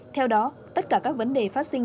theo đó tất cả các vấn đề phát sinh